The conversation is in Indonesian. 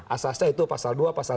asasnya itu pasal dua pasal tiga